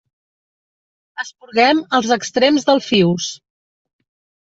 Esporguem els extrems del fius.